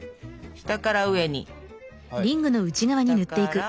下から上にね。